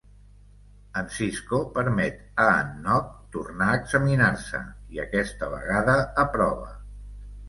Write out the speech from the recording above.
En Sisko permet a en Nog tornar a examinar-se i aquesta vegada aprova.